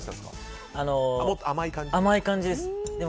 甘い感じです。